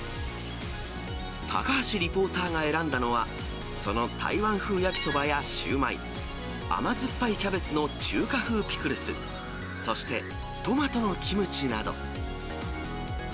高橋リポーターが選んだのは、その台湾風焼きそばやシューマイ、甘酸っぱいキャベツの中華風ピクルス、そしてトマトのキムチなど。